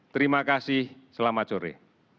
terima kasih selamat sore